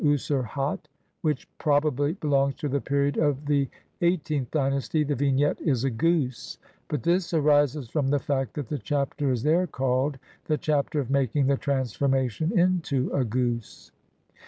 10,009) > which probably belongs to the period of the XVIIIth dynasty, the vignette is a goose, but this arises from the fact that the Chapter is there called "[The Chapter] of making the transformation into a goose".